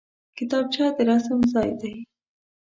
کتابچه د رسم ځای دی